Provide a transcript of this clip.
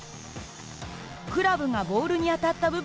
クラブがボールに当たった部分がへこみ